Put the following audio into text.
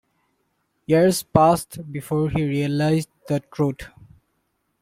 Years passed before he realized the truth.